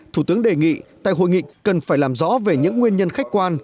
thủ tướng đề nghị tại hội nghị cần phải làm rõ về những nguyên nhân khách quan